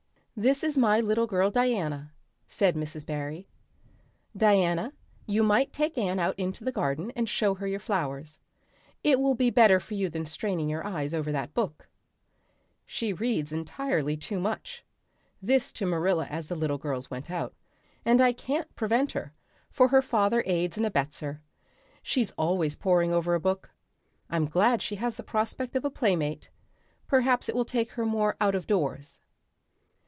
"This is my little girl Diana," said Mrs. Barry. "Diana, you might take Anne out into the garden and show her your flowers. It will be better for you than straining your eyes over that book. She reads entirely too much " this to Marilla as the little girls went out "and I can't prevent her, for her father aids and abets her. She's always poring over a book. I'm glad she has the prospect of a playmate perhaps it will take her more out of doors."